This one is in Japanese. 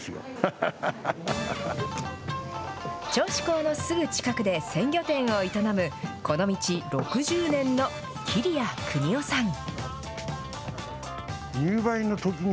銚子港のすぐ近くで鮮魚店を営む、この道６０年の桐谷國男さん。